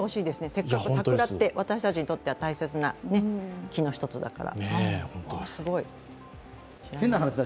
せっかく桜って、私たちにとっては大切な木の一つだから。